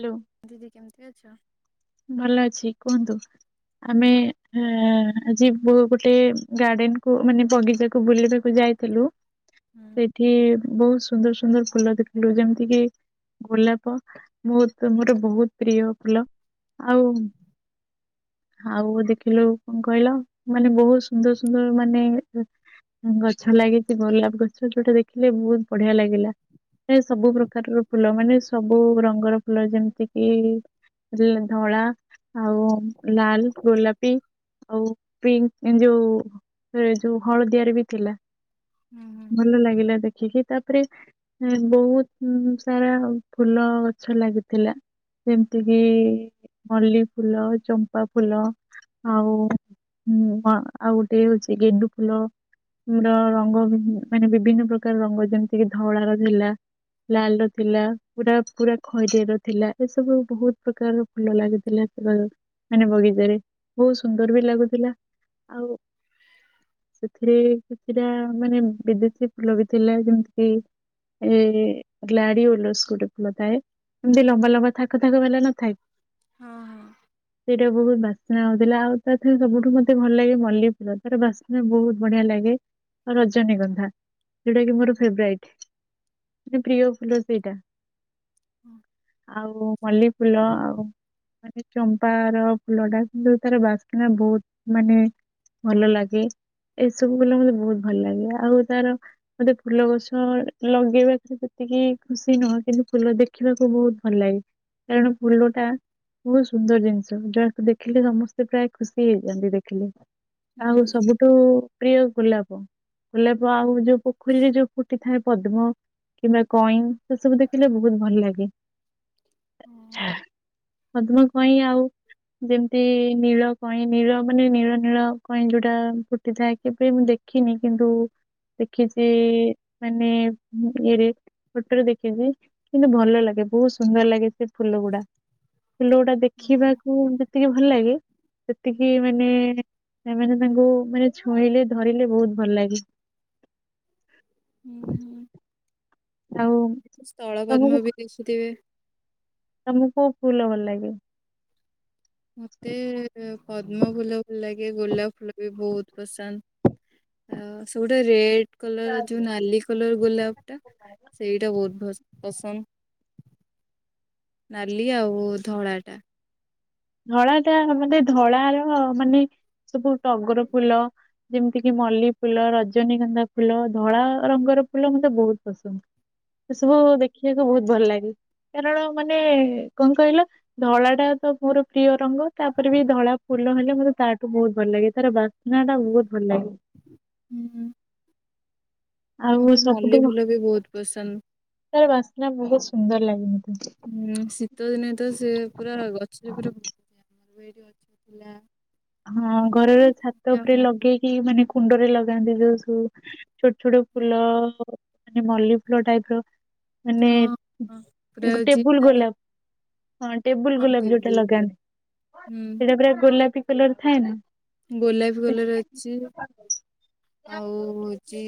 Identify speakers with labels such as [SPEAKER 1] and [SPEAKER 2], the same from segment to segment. [SPEAKER 1] Hello
[SPEAKER 2] ଦିଦି କେମିତି ଅଛ?
[SPEAKER 1] ଭଲ ଅଛି କୁହନ୍ତୁ ଆମେ ଆଜି ଗୋଟେ ଗାର୍ଡେନ କୁ ମାନେ ବଗିଚାକୁ ବୁଲିବାକୁ ଯାଇଥିଲୁ।
[SPEAKER 2] ହୁଁ।
[SPEAKER 1] ସେଇଠି ବହୁତ ସୁନ୍ଦର ସୁନ୍ଦର ଫୁଲ ଦେଖିଲୁ ଯେମିତି କିି ଗୋଲାପ। ବହୁତ ମୋର ବହୁତ ପ୍ରିୟ ଫୁଲ। ଆଉ ଆଉ ଦେଖିଲୁ କଣ କହିଲ ମାନେ ବହୁତ ସୁନ୍ଦର ସୁନ୍ଦର ମାନେ ଏ ଗଛ ଲାଗିଛି। ଗୋଲାପ ଗଛ ଯୋଉଟା ଦେଖିଲେ ବହୁତ ବଢିଆ ଲାଗିଲା। ମାନେ ସବୁ ପ୍ରକାରର ଫୁଲ ମାନେ ସବୁ ରଙ୍ଗର ଫୁଲ ଯେମିତି କିି-ଇ-ଇ ଯେ ଧଳା ଆଉ ଲାଲ ଗୋଲାପ ଟି ଆଉ ପିଙ୍କ୍ ଯୋଉ ଯୋଉ ହଳଦିଆରେ ବି ଥିଲା।
[SPEAKER 2] ହୁଁ ହୁଁ।
[SPEAKER 1] ଭଲ ଲାଗିଲା ଦେଖ ଦେଖିକି ତାପରେ ଉ ବହୁତ ଉ ସାରା ଫୁଲ ଗଛ ଲାଗିଥିଲା ଯେମିତି କିି-ଇ-ଇ-ଇ ମଲ୍ଲି ଫୁଲ, ଚମ୍ପା ଫୁଲ ଆଉ ହଁ ଆଉ ଗୋଟେ ହଉଛି ଗେଣ୍ଡୁ ଫୁଲ ର ରଙ୍ଗ ଭି ମାନେ ବିଭିନ୍ନ ପ୍ରକାର ରଙ୍ଗ ଯେମିତିକି ଧଉଳା ର ଥିଲା, ଲାଲ ର ଥିଲା, ପୁରା ପୁରା ଖଇରିଆ ର ଥିଲା ଏସବୁ ବହୁତ ପ୍ରକାର ଫୁଲ ଲାଗିଥିଲା [unintelligible] ମାନେ ବଗିଚାରେ। ବହୁତ ସୁନ୍ଦର ବି ଲାଗୁଥିଲା। ଆଉ ସେଥିରେ କିଛିଟା ମାନେ ବିଦେଶୀ ଫୁଲ ବି ଥିଲା ଯେମିତି କି ଏ-ଏ-ଏ ଲାଡ଼ି ଓଲସ ଗୋଟେ ଫୁଲ ଥାଏ। ଏମିତି ଲମ୍ବା ଲମ୍ବା ଥାକ ଥାକ ବାଲା ନଥାଏ।
[SPEAKER 2] ହଁ ହଁ।
[SPEAKER 1] ସେଠା ବହୁତ ବାସ୍ନା ହଉଥିଲା। ଆଉ ତା ରେ ସବୁଠୁ ମତେ ଭଲ ଲାଗେ ମଲ୍ଲୀଫୁଲ। ତାର ବାସ୍ନା ବହୁତ ବଢିଆ ଲାଗେ, ଆଉ ରଜନୀଗନ୍ଧା। ଯୋଉଟା କି ମୋର
[SPEAKER 2] ହୁଁ।
[SPEAKER 1] ଫେବରାଇଟ। ମୋ ପ୍ରିୟ ଫୁଲ ସେଇଟା। ଆଉ ମଲ୍ଲି ଫୁଲ ଆଉ ମାନେ ଚମ୍ପାର ଫୁଲ ଟା କିନ୍ତୁ ତାର ବାସ୍ନା ବହୁତ ମାନେ ଭଲ ଲାଗେ। ଏସବୁ ଫୁଲ ମତେ ବହୁତ ଭଲ ଲାଗେ। ଆଉ ତାର ମତେ ଫୁଲ ଗଛ ଲଗେଇବା ସେତିକି ଖୁସି ନୁହଁ କିନ୍ତୁ ଫୁଲ ଦେଖିବାକୁ ବହୁତ ଭଲ ଲାଗେ କାରଣ ଫୁଲ ଟା ବହୁତ ସୁନ୍ଦର ଜିନିଷ ଯାହାକୁ ଦେଖିଲେ ସମସ୍ତେ ପ୍ରାୟ ଖୁସି ହେଇଯାନ୍ତି ଦେଖିଲେ। ଆଉ
[SPEAKER 2] ହୁଁ।
[SPEAKER 1] ସବୁଠୁ ପ୍ରିୟ ଗୋଲାପ, ଗୋଲାପ ଆଉ ଯୋଉ ପୋଖରୀରେ ଯୋଉ ଫୁଟି ଥାଏ ପଦ୍ମ କିମ୍ବା କଇଁ ସେ ସବୁ ଦେଖିଲେ ବହୁତ ଭଲ ଲାଗେ। ଆଛା। ପଦ୍ମ, କଇଁ ଆଉ ଯେମିତି ନୀଳ କଇଁ ନୀଳ ମାନେ ନୀଳ ନୀଳ କଇଁ ଯୋଉଟା ଫୁଟିଥାଏ। କେବେ ମୁଁ ଦେଖିନି କିନ୍ତୁ ଦେଖିଛି ମାନେ ଇଏରେ ଫଟୋରେ ଦେଖିଛି କିନ୍ତୁ ଭଲ ଲାଗେ ବହୁତ ସୁନ୍ଦର ଲାଗେ ସେ ଫୁଲ ଗୁଡା। ଫୁଲ ଗୋଡ଼ା ଦେଖିବାକୁ ଯେତିକି ଭଲ ଲାଗେ ସେତିକି ମାନେ ସେମାନେ ତାଙ୍କୁ ମାନେ ଛୁଇଁଲେ ଧରିଲେ ବହୁତ ଭଲ ଲାଗେ। ଆଉ
[SPEAKER 2] ସ୍ଥଳ
[SPEAKER 1] ତମକୁ
[SPEAKER 2] ପଦ୍ମ ବି ଦିଶୁଥିବେ।
[SPEAKER 1] ତମକୁ କୋଉ ଫୁଲ ଭଲ ଲାଗେ?
[SPEAKER 2] ମତେ-ଏ-ଏ-ଏ ପଦ୍ମ ଫୁଲ ଭଲ ଲାଗେ, ଗୋଲାପ ଫୁଲ ବି ବହୁତ ପସନ୍ଦ। ଆଉ ସେଇ ଗୁଡ଼ା ରେଡ୍ କଲର ଯୋଉ ନାଲି କଲର ଗୋଲାପ ଟା ସେଇଟା ବହୁତ ପ ପସନ୍ଦ, ନାଲି ଆଉ ଧଳା ଟା।
[SPEAKER 1] ଧଳା ଟା ମତେ ଧଳା ର ମାନେ ସବୁ ଟଗର ଫୁଲ ଯେମିତିକି ମଲ୍ଲୀ ଫୁଲ, ରଜନୀଗନ୍ଧା ଫୁଲ ଧଳା ରଙ୍ଗର ଫୁଲ ମତେ ବହୁତ ପସନ୍ଦ। ଏ ସବୁ ଦେଖିବାକୁ ବହୁତ ଭଲ ଲାଗେ କାରଣ ମାନେ କଣ କହିଲ ଧଳା ଟା ତ ମୋର ପ୍ରିୟ ରଙ୍ଗ ତାପରେ ବି ଧଳା ଫୁଲ ହେଲେ ମତେ ତାଠୁ ବହୁତ ଭଲ ଲାଗେ ତାର ବା ସ୍ନା ଟା ବହୁତ ଭଲ ଲାଗେ।
[SPEAKER 2] ହୁଁ
[SPEAKER 1] ଆଉ
[SPEAKER 2] ମତେ
[SPEAKER 1] ସବୁଠୁ
[SPEAKER 2] ମଲ୍ଲୀ ଫୁଲ ବି ବହୁତ ପସନ୍ଦ।
[SPEAKER 1] ତାର ବାସ୍ନା ବହୁତ ସୁନ୍ଦର ଲାଗେନି।
[SPEAKER 2] ହୁଁ ଶୀତ ଦିନେ ତ ସେ ପୁରା ଗଛରେ ପୁରା। ମୁଁ ଏଠି ଗଛ ଥିଲା।
[SPEAKER 1] ହଁ ଘରର ଛାତ ଉପରେ ଲଗେଇକି ମାନେ। କୁଣ୍ଡରେ ଲଗାନ୍ତି ଯୋଉ ସବୁ। ଛୋଟ ଛୋଟ ଫୁଲ। ମାନେ ମଲ୍ଲୀ ଫୁଲ ଟାଇପ ର। ମାନେ
[SPEAKER 2] ହଁ ହଁ, ପୁରା
[SPEAKER 1] ଟେ
[SPEAKER 2] ହଉଛି
[SPEAKER 1] ଟେବୁଲ
[SPEAKER 2] ତା
[SPEAKER 1] ଗୋଲାପ। ହଁ ଟେବୁଲ
[SPEAKER 2] ହଁ
[SPEAKER 1] ଗୋଲାପ ଯୋଉଟା
[SPEAKER 2] ଟେବୁଲ ଗୁଡା।
[SPEAKER 1] ଲଗାନ୍ତି ସେଇଟା ପୁରା ଗୋଲାପି। କଲର ଥାଏ ନା।
[SPEAKER 2] ଗୋଲାପି କଲର ଅଛି ଆଉ ହଉଛି।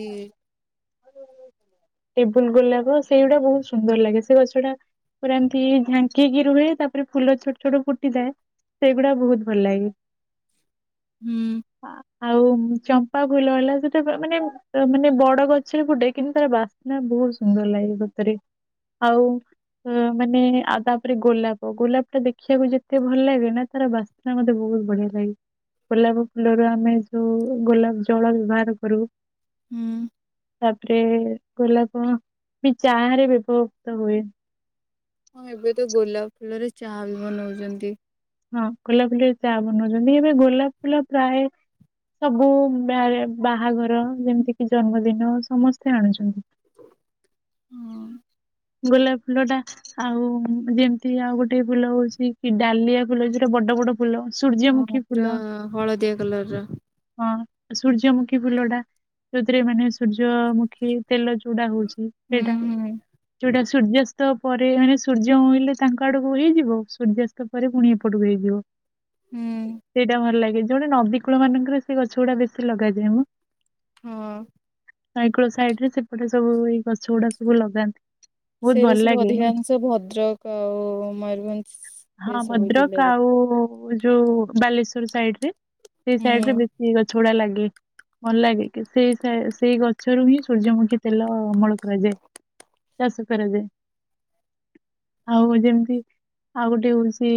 [SPEAKER 1] ଟେବୁଲ ଗୋଲାପ ସେଇଗୁଡା ବହୁତ ସୁନ୍ଦର ଲାଗେ ସେ ଗଛ ଟା ପୁରା ଏମିତି ଝାଙ୍କିକି ରୁହେ ତାପରେ ଫୁଲ ଛୋଟ ଛୋଟ ଫୁଟି ଥାଏ ସେଗୁଡା ବହୁତ ଭଲ ଲାଗେ।
[SPEAKER 2] ହୁଁ
[SPEAKER 1] ହଁ। ଆଉ ଚମ୍ପା ଫୁଲ ହେଲା ସେଟା ମାନେ ମାନେ ବଡ ଗଛରେ ଫୁଟେ କିନ୍ତୁ ତାର ବାସ୍ନା ବହୁତ ସୁନ୍ଦର ଲାଗେ ସତରେ ଆଉ ଅ ମାନେ ଆଉ ତାପରେ ଗୋଲାପ ଗୋଲାପ ଟା ଦେଖିବାକୁ ଯେତେ ଭଲ ଲାଗେ ନା ତାର ବାସ୍ନା ମତେ ବହୁତ। ବଢିଆ ଲାଗେ ଗୋଲାପ ଫୁଲର ଆମେ ଯୋଉ ଗୋଲାପ ଜଳ ବ୍ୟବହାର କରୁ।
[SPEAKER 2] ହୁଁ
[SPEAKER 1] ତାପରେ। ଗୋଲାପ ବି ଚାହାରେ ବି ବ୍ୟବହୃତ ହୁଏ।
[SPEAKER 2] ହଁ ଏବେ ତ ଗୋଲାପ ଫୁଲରେ ଚାହା ବି ବନଉଛନ୍ତି।
[SPEAKER 1] ହଁ ଗୋଲାପ ଫୁଲରେ ଚାହା ବନଉଛନ୍ତି ଏବେ ଗୋଲାପ ଫୁଲ ପ୍ରାୟ ସବୁ ମା ବାହାଘର ଯେମିତି କି। ଜନ୍ମଦିନ ସମସ୍ତେ ଆଣୁଛନ୍ତି।
[SPEAKER 2] ହଁ।
[SPEAKER 1] ଗୋଲାପ ଫୁଲ ଟା ଆଉ ଯେମତି ଆଉ ଗୋଟେ ଫୁଲ ହଉଛି କି ଡାଲିଆ ଫୁଲ ଯଉଟା ବଡ ବଡ। ଫୁଲ
[SPEAKER 2] ହଁ,
[SPEAKER 1] ସୂର୍ଯ୍ୟମୁଖୀ
[SPEAKER 2] ପୁରା
[SPEAKER 1] ଫୁଲ
[SPEAKER 2] ହଳଦିଆ କଲର ର।
[SPEAKER 1] ହଁ। ସୂର୍ଯ୍ୟମୁଖୀ ଫୁଲ ଟା ଯଉଥିରେ ମାନେ ସୁର୍ଯ୍ୟ, ସୁର୍ଯ୍ୟମୁଖୀ ତେଲ ଚୁଡା ହଉଛି
[SPEAKER 2] ହୁଁ
[SPEAKER 1] ସେଇଟା
[SPEAKER 2] ହୁଁ
[SPEAKER 1] ଜଉଟା ସୂର୍ଯ୍ୟାସ୍ତ ପରେ ମାନେ ସୂର୍ଯ୍ୟ ଉଇଲେ ତାଙ୍କ ଆଡକୁ ହେଇଯିବ ସୂର୍ଯ୍ୟାସ୍ତ ପରେ ପୁଣି ଏପଟକୁ ହେଇଯିବ।
[SPEAKER 2] ହୁଁ।
[SPEAKER 1] ସେଇଟା ଭଲ ଲାଗେ। ଜଉଟା ନଦୀ କୂଳ ମାନଙ୍କରେ ସେ ଗଛ ଗୁଡା ବେଶୀ ଲଗାଯାଏ ମୁଁ
[SPEAKER 2] ହଁ,
[SPEAKER 1] ନାଇକୂଳ ସାଇଡ ରେ ସେପଟେ ସବୁ ଏଇ ଗଛ ଗୁଡା ସବୁ ଲଗାନ୍ତି। ବହୁତ
[SPEAKER 2] ସେଇଟା
[SPEAKER 1] ଭଲ
[SPEAKER 2] ସବୁ
[SPEAKER 1] ଲାଗେ ମାନେ
[SPEAKER 2] ଅଧିକାଂଶ ଭଦ୍ରକ ଆଉ ମୟୂରଭଞ୍ଜ ସେ
[SPEAKER 1] ହଁ
[SPEAKER 2] ସବୁ
[SPEAKER 1] ଭଦ୍ରକ
[SPEAKER 2] ଜିଲ୍ଲାରେ
[SPEAKER 1] ଆଉ। ଯୋଉ ବାଲେଶ୍ୱର ସାଇଡ ରେ। ସେଇ
[SPEAKER 2] ହୁଁ
[SPEAKER 1] ସାଇଡ ରେ ବେଶୀ ଗଛ ହୁଡ଼ା ଲାଗି ଭଲ ଲାଗେ କି ସେଇ ସେଇ ଗଛରୁ ହିଁ ସୂର୍ଯ୍ୟମୁଖୀ ତେଲ ଅମଳ କରାଯାଏ ଚାଷ କରାଯାଏ ଆଉ ଯେମିତି ଆଉ ଗୋଟେ ହଉଛି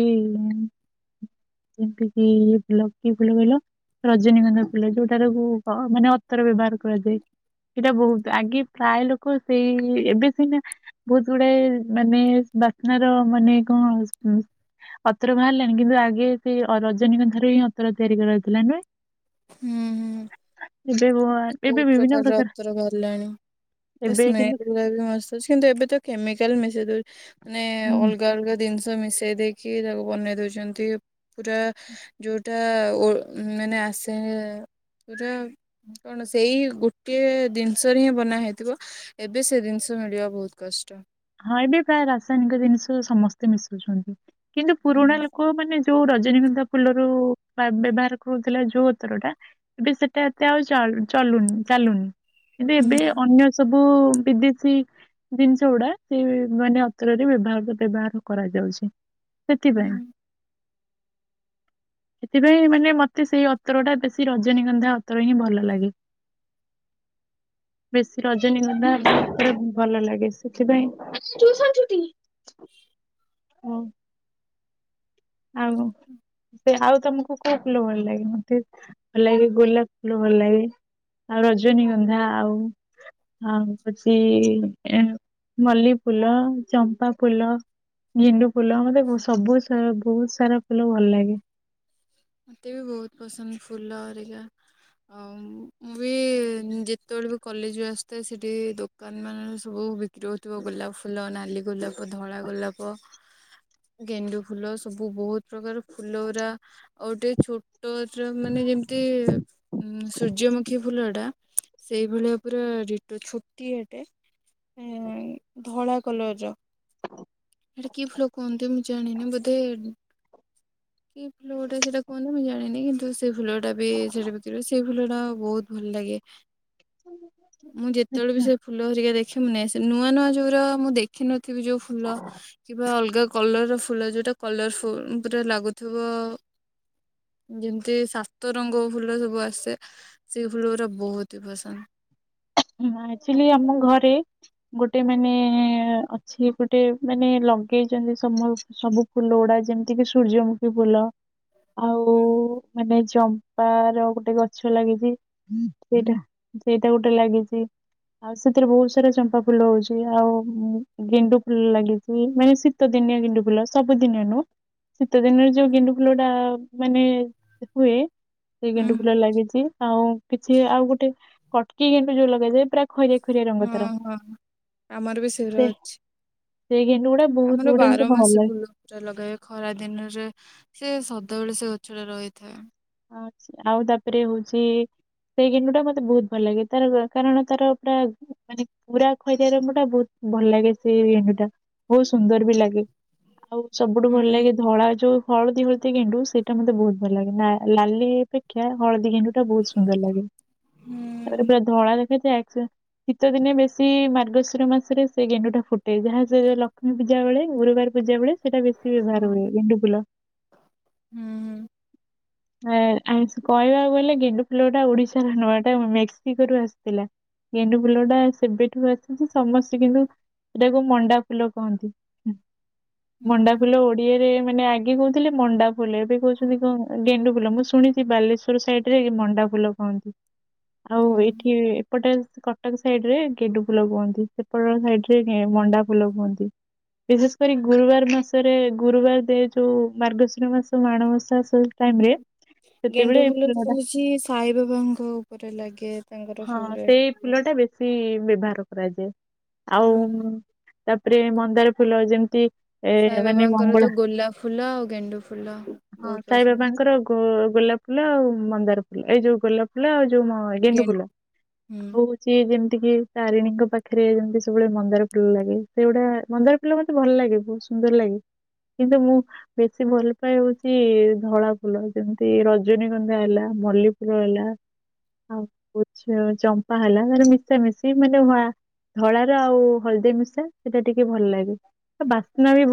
[SPEAKER 1] ଯେମିତି କି ଫୁଲ କି ଫୁଲ କହିଲ ରଜନୀଗନ୍ଧା ଫୁଲ ଯୋଉଟା ମାନେ ଅତର ବ୍ୟବହାର କରାଯାଏ ସେଇଟା ବହୁତ ଆଗେ ପ୍ରାୟ ଲୋକ ସେଇ ଏବେ ସିନା ବହୁତ ଗୁଡା ମାନେ ବାସ୍ନାର ମାନେ କଣ ହୁଁ ଅତର ବାହାରିଲାଣି କିନ୍ତୁ ଆଗେ ସେ ଅ ରଜନୀଙ୍କ ଠାରୁ ହିଁ ଅତର ତିଆରି କରାଇଥିଲା ନୁହେଁ।
[SPEAKER 2] ହୁଁ ହୁଁ।
[SPEAKER 1] ଏବେ ବ- ଏବେ
[SPEAKER 2] ବହୁତ
[SPEAKER 1] ବିଭିନ୍ନ
[SPEAKER 2] ପ୍ରକାରର
[SPEAKER 1] ପ୍ରକାର
[SPEAKER 2] ଅତ୍ର ବାହାରିଲାଣି
[SPEAKER 1] ଏବେ
[SPEAKER 2] ସ୍ମେଲ ଗୁରାବି ମସ୍ତ ଅଛି କିନ୍ତୁ ଏବେ ତ କେମିକାଲ ମିଶେଇ ଦଉଛି। ମାନେ
[SPEAKER 1] କିନ୍ତୁ
[SPEAKER 2] ଅଲଗା ଅଲଗା ଜିନିଷ ତ ମିଶେଇ ଦେଇକି ତାକୁ ବନେଇ ଦଉଛନ୍ତି ପୁରା ଯୋଉଟା ଓ ମାନେ ଆସେ ପୁରା କଣ ସେଇ ଗୋଟିଏ ଜିନିଷରେ ହିଁ ବନା ହେଇଥିବ ଏବେ ସେ ଜିନିଷ ମିଳିବା ବହୁତ କଷ୍ଟ।
[SPEAKER 1] ହଁ ଏବେ ପ୍ରାୟ ରାସାୟନିକ ଜିନିଷ ସମସ୍ତେ ମିଶୁଛନ୍ତି। କିନ୍ତୁ ପୁରୁଣା
[SPEAKER 2] ନା।
[SPEAKER 1] ଲୋକ ମାନେ ଯୋଉ ରଜନୀଗନ୍ଧା ଫୁଲ ରୁ ବ୍ୟବହାର କରୁଥିଲା ଯୋଉ ଉତର ଟା ଏବେ ସେଟା ଏତେ ଆଉ ଚଲୁନି ଚାଲୁନି। କିନ୍ତୁ ଏବେ
[SPEAKER 2] ହୁଁ।
[SPEAKER 1] ଅନ୍ୟ ସବୁ ସବୁ ବିଦେଶୀ ଜିନିଷ ଗୁଡା ସେ ମାନେ ଅତରରେ ବ୍ୟବହାର ବ୍ୟବହାର କରାଯାଉଛି। ସେଥିପାଇଁ
[SPEAKER 2] ନା।
[SPEAKER 1] ସେଥିପାଇଁ ମାନେ ମତେ ସେଇ ଅତର ଟା ବେଶୀ ରଜନୀଗନ୍ଧା ଅତର ହିଁ ଭଲ ଲାଗେ ବେଶୀ ରଜନୀଗନ୍ଧା ଅତର ଭଲ ଲାଗେ ସେଥିପାଇଁ ହଉ। ଆଉ ସେ ଆଉ ତମକୁ କୋଉ ଫୁଲ ଭଲ ଲାଗେ ମତେ ଭଲ ଲାଗେ ଗୋଲାପ ଫୁଲ ଭଲ ଲାଗେ ଆଉ ରଜନୀଗନ୍ଧା ଆଉ ଆଉ ହଉଛି ଏ ମଲ୍ଲ ଫୁଲ ଚମ୍ପା ଫୁଲ ଗେଣ୍ଡୁ ଫୁ ଫୁଲ ମତେ ସବୁ ସ୍ ବହୁତ ସାରା ଫୁଲ ଭଲ ଲାଗେ।
[SPEAKER 2] ମୋତେ ବି ବହୁତ ପସନ୍ଦ ଫୁଲ ହେରିକା ଆ ମୁଁ ବି ଯେତେବେଳେ ବି କଲେଜରୁ ଆସିଥାଏ ସେଠି ଦୋକାନ ମାନରେ ସବୁ ବିକ୍ରି ହଉଥିବ ଗୋଲାପ ଫୁଲ ନାଲି ଗୋଲାପ ଧଳା ଗୋଲାପ ଗେଣ୍ଡୁ ଫୁଲ ସବୁ ବହୁତ ପ୍ରକାର ଫୁଲ ଗୁରା ଆଉ ଟେ ଛୋ ଟ [unintelligible] ମାନେ ଯେମିତି ଉଁ ସୂର୍ଯ୍ୟମୁଖୀ ଫୁଲଟା ସେଇଭଳିଆ ପୁରା ଡିଟୋ ଛୋଟିଆଟେ ଏ ଧଳା କଲର ର ସେଟା କି ଫୁଲ କୁହନ୍ତି ମୁଁ ଜାଣିନି ବୋଧେ କି ଫୁଲ ଗୁଟେ ସେଇଟା କୁହନ୍ତ ମୁଁ ଜାଣିନି କିନ୍ତୁ ସେଇ ଫୁଲଟା ବି ସେଠା ବିକ୍ରି ହୁଏ ସେଇ ଫୁଲ ଟା ବହୁତ ଭଲ ଲାଗେ ମୁଁ ଯେତେବେଳେ ବି ସେ ଫୁଲ ହେରିକା ଦେଖେ ମୁଁ ଆସେ ନୂଆ ନୂଆ ଯୋଉର ମୁଁ ଦେଖି ନ ଦେଖିବି ଯୋଉ ଫୁଲ ବା ଅଲଗା କଲର ର ଫୁଲ ଯୋଉଟା କଲର ଫୁଲ୍ ପୁରା ଲାଗୁଥିବ। ଯେମିତି ସାତ ରଙ୍ଗ ଫୁଲ ସବୁ ଆସେ ସେଇ ଫୁଲ ଗୁରା ବହୁତ ହି ପସନ୍ଦ।
[SPEAKER 1] ଆଚ୍ୟୁଆଲି ଆମ ଘରେ ଗୋଟେ ମାନେ ଅଛି ଗୋଟେ ମାନେ ଲଗେଇଛନ୍ତି ସମ୍ ସବୁ ଫୁଲ ଗୁଡା ଯେମିତିକି ସୂର୍ଯ୍ୟମୁଖୀ ଫୁଲ। ଆଉ
[SPEAKER 2] ହୁଁ
[SPEAKER 1] ମାନେ ଜମ୍ପ ପା ର ଗୋଟେ ଗଛ ଲାଗିଛି ସେଇଟା ସେଇଟା ଗୋଟେ ଲାଗିଛି। ଆଉ ସେଥିରେ ବହୁତ ସାରା ଚମ୍ପା ଫୁଲ ହଉଛି ଆଉ ଗେଣ୍ଡୁ ଫୁଲ ଲାଗିଛି ମାନେ ଶୀତ ଦିନିଆ ଗେଣ୍ଡୁ ଫୁଲ ସବୁଦିନିଆ ନୁହେଁ ଶୀତ ଦିନରେ ଯୋଉ ଗେଣ୍ଡୁ ଫୁଲଟା ମାନେ ହୁଏ। ସେଇ
[SPEAKER 2] ହୁଁ
[SPEAKER 1] ଗେଣ୍ଡୁ ଫୁଲ ଲାଗିଛି ଆଉ କିଛି ଆଉ ଗୋଟେ କଟକି ଗେ ଯୁ ଲପଗାଯାଏ।
[SPEAKER 2] ହଁ ହଁ ଆମର ବି ଶୀଘ୍ର
[SPEAKER 1] ସେ
[SPEAKER 2] ଅଛି।
[SPEAKER 1] ସେଇ ଗେଣ୍ଡୁ ଗୁଡା ବହୁତ
[SPEAKER 2] ଆମର
[SPEAKER 1] ଗୁଡେ ମତେ
[SPEAKER 2] ବାର
[SPEAKER 1] ଭଲ
[SPEAKER 2] ମାସି
[SPEAKER 1] ଲାଗେ
[SPEAKER 2] ଫୁଲ ଲଗା ଯାଏ ଖରା ଦିନରେ ସେ ସ ସେତେବେଳେ ସେ ଗଛଟା ରହିଥାଏ।
[SPEAKER 1] ଆ ଆଉ ତାପରେ ହଉଛି ସେଇ ଗେଣ୍ଡୁ ଟା ମତେ ବହୁତ ଭଲ ଲାଗେ ତାର କାରଣ ତାର ପୁରା ମାନେ ପୁରା ଖଇଦାର ମୁ ଟା ବହୁତ ଭଲ ଲାଗେ ସେଇ ଗେଣ୍ଡୁ ଟା ବହୁତ ସୁନ୍ଦର ବି ଲାଗେ। ଆଉ ସବୁଠୁ ଭଲ
[SPEAKER 2] ହୁଁ
[SPEAKER 1] ଲାଗେ ଧଳା ଯୋଉ ହଳଦୀବତି ଗେଣ୍ଡୁ ସେଇଟା ମତେ ବହୁତ ଭଲ ଲାଗେ ନା। ଲାଲି ଅପେକ୍ଷା ହଳଦୀ ଗେଣ୍ଡୁ ଟା ବହୁତ ସୁନ୍ଦର ଲାଗେ ତାପରେ
[SPEAKER 2] ହୁଁ
[SPEAKER 1] ପୁରା ଧଳା ଦେଖାଯ ଶୀତ ଦିନେ ବେଶୀ ମାର୍ଗଶିର ମାସରେ ସେ ଗେଣ୍ଡୁ ଟା ଫୁଟେ ଯାହା ସେ ଲକ୍ଷ୍ମୀ ପୂଜା ବେଳେ ଗୁରୁବାର ପୂଜା ବେଳେ ସେଇଟା ବେଶୀ ବ୍ୟବହାର
[SPEAKER 2] ହଁ।
[SPEAKER 1] ହୁଏ ଗେଣ୍ଡୁ ଫୁଲ
[SPEAKER 2] ହୁଁ ହୁଁ।
[SPEAKER 1] କହିବାକୁ ଗଲେ ଗେଣ୍ଡୁ ଫୁଲଟା ଓଡିଶାର ନୁହ ଏଇଟା ମେକ୍ସିକୋରୁୁ ଆସିଥିଲା ଗେଣ୍ଡୁ ଫୁଲ ଟା ସେବେଠୁ ଆସିଛି ସମସ୍ତେ କିନ୍ତୁ ସେଟାକୁ ମଣ୍ଡା ଫୁଲ କହନ୍ତି।
[SPEAKER 2] ହୁଁ
[SPEAKER 1] ମଣ୍ଡା
[SPEAKER 2] ହୁଁ
[SPEAKER 1] ଫୁଲ ଓଡିଆରେ ମା ଆଗେ କହୁଥିଲେ ମଣ୍ଡା ଫୁଲ ଏବେ କହୁଛନ୍ତି କଣ ଗେଣ୍ଡୁ ଫୁଲ ମୁଁ ଶୁଣିଛି ବାଲେଶ୍ଵର ସାଇଡରେ ମଣ୍ଡା ଫୁଲ କୁହନ୍ତି। ଆଉ
[SPEAKER 2] ହୁଁ
[SPEAKER 1] ଏଇଠି ସେପଟେ କଟକ ସାଇଡ ରେ ଗେଣ୍ଡୁ ଫୁଲ କୁହନ୍ତି ସେପଟ ସାଇଡ ରେ ମଣ୍ଡା ଫୁଲ କୁହନ୍ତି ବିଶେଷ କରି ଗୁରୁବାର ମାସରେ ଗୁରୁବାର ଦେ ଯୋଉ ମାର୍ଗଶୀର ମାସ ମାଣବସା ସ୍କୁଲ ଟାଇମରେ
[SPEAKER 2] ଗେଣ୍ଡୁ ଫୁଲ ହେଉଛି ସାଇ ବାବାଙ୍କ ଉପରେ ଲାଗେ ତାଙ୍କର ଫେଭରାଇଟ ଫୁ
[SPEAKER 1] ଇ ବ୍ୟବହାର କରାଯାଏ। ଆଉ
[SPEAKER 2] ହୁଁ
[SPEAKER 1] ତାପରେ ମନ୍ଦାର ଫୁଲ ଯେମିତି ଏ ମାନେ
[SPEAKER 2] ସାଇବାବାଙ୍କର
[SPEAKER 1] ମଙ୍ଗଳା
[SPEAKER 2] ତ ଗୋଲାପ ଫୁଲ ଆଉ ଗେଣ୍ଡୁ ଫୁଲ
[SPEAKER 1] ହଁ
[SPEAKER 2] ବହୁତ
[SPEAKER 1] ସାଇ
[SPEAKER 2] ପସନ୍ଦ।
[SPEAKER 1] ବାବାଙ୍କର ଗୋ ଗୋଲାପ ଫୁଲ ଆଉ ମନ୍ଦାର ଫୁଲ ଏଇ ଯୋଉ ଗୋଲାପ ଫୁଲ ଆଉ ଗେଣ୍ଡୁ ଫୁଲ
[SPEAKER 2] ହୁଁ।
[SPEAKER 1] ଆଉ ହଉଛି ଯେମିତି ଏତିକେ ତାରିଣୀଙ୍କ ପାଖରେ ଯେମିତି ସବୁବେଳେ ମନ୍ଦାର ଫୁଲ ଲାଗେ ସେଗୁଡା ମନ୍ଦାର ଫୁଲ ମତେ ଭଲ ଲାଗେ ବହୁତ ସୁନ୍ଦର ଲାଗେ କିନ୍ତୁ ମୁଁ ବେଶୀ ଭଲ ପାଏ ହଉଛି ଧଳା ଫୁଲ ଯେମିତି ରଜନୀଗନ୍ଧା ହେଲା ମଲ୍ଲପୁର ହେଲା ଆଉ ଚମ୍ପା ହେଲାାର ମିଶା ମିଶି ମାନେ ଧଳାର ଆଉ ହଳଦୀ ମିଶା ସେଇଟା ଟିକେ ଭଲ ଲାଗେ ଆଉ ବାସ୍ନା ବି